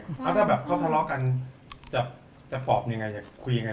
แล้วถ้าแบบเขาทะเลาะกันจะปอบยังไงจะคุยยังไง